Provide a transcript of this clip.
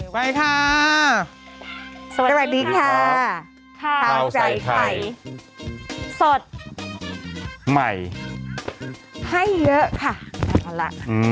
ไปค่ะสวัสดีค่ะข้าวใส่ไข่สดใหม่ให้เยอะค่ะเอาล่ะ